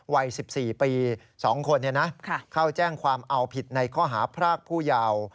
วัย๑๔ปี๒คนเข้าแจ้งความเอาผิดในข้อหาพรากผู้เยาว์